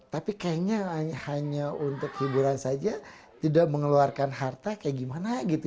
tapi kayaknya hanya untuk hiburan saja tidak mengeluarkan harta kayak gimana gitu